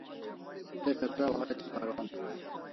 Te chatraw hatya paron